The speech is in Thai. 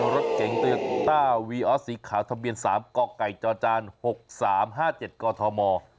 รถเก๋งเตือนต้าวีอสสิกขาวธรรมเบียนสามกอกไก่จอจานหกสามห้าเจ็ดก่อธอมอร์